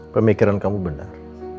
pemikiran kamu benar